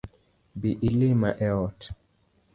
Bi ilima e ot